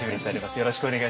よろしくお願いします。